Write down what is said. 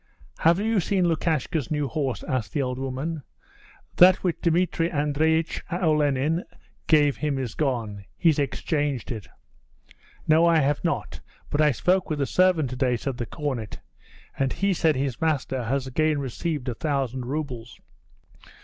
'Have you seen Lukashka's new horse?' asked the old woman. 'That which Dmitri Andreich Olenin gave him is gone he's exchanged it.' 'No, I have not; but I spoke with the servant to day,' said the cornet, 'and he said his master has again received a thousand rubles.'